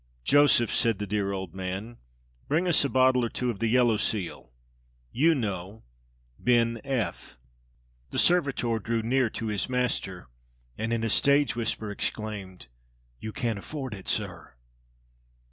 "Joseph," said the dear old man, "bring us a bottle or two of the yellow seal you know Bin F." The servitor drew near to his master, and in a stage whisper exclaimed: "You can't afford it, sir!"